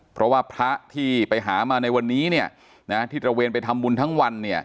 เพราะว่าพระที่ไปหามาในวันนี้ที่ตระเวนไปทำบุญทั้งวัน